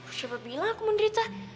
lu coba bilang aku menderita